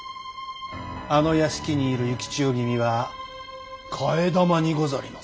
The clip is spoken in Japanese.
あの屋敷にいる幸千代君は替え玉にござります。